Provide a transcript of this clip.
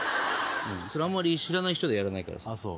それあんまり知らない人でやらないからさ。